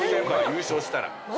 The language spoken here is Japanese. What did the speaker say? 優勝したら。